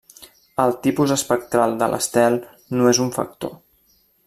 El tipus espectral de l'estel no és un factor.